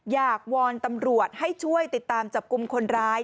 วอนตำรวจให้ช่วยติดตามจับกลุ่มคนร้าย